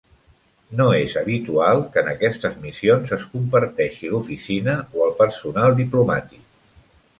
No és habitual que en aquestes missions es comparteixi l'oficina o el personal diplomàtic.